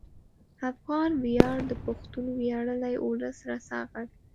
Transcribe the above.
افغان ویاړ د پښتون ویاړلي ولس رسا غږ